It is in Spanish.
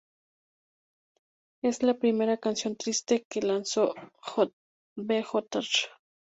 Es la primera canción triste que lanzó Björk.